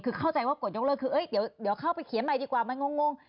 คือเข้าใจว่ากฎยกเลิกคือเดี๋ยวเข้าไปเขียนใหม่ดีกว่ามันงง